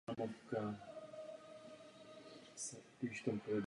Změna byla uskutečněna v souvislosti s novými jízdními řády vlaků v celé Evropě.